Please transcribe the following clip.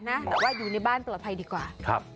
แต่ว่าอยู่ในบ้านปลอดภัยดีกว่า